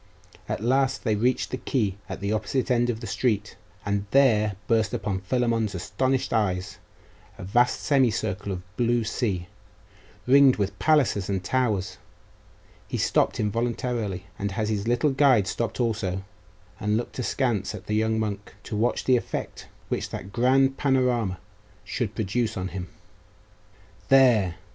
At last they reached the quay at the opposite end of the street; and there burst on Philammon's astonished eyes a vast semicircle of blue sea, ringed with palaces and towers....He stopped involuntarily; and his little guide stopped also, and looked askance at the young monk, to watch the effect which that grand panorama should produce on him. 'There!